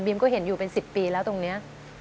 ก็เห็นอยู่เป็น๑๐ปีแล้วตรงนี้